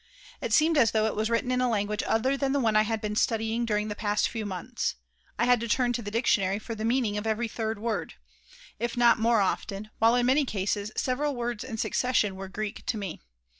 It seemed as though it was written in a language other than the one I had been studying during the past few months. I had to turn to the dictionary for the meaning of every third word, if not more often, while in many cases several words in succession were Greek to me.